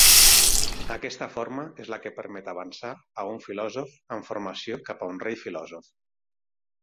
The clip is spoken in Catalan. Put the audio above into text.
Aquesta forma és la que permet avançar a un filòsof en formació cap a un rei filòsof.